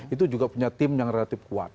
itu juga punya tim yang relatif kuat